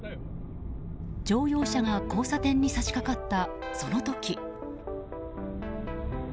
乗用車が交差点に差し掛かったその時。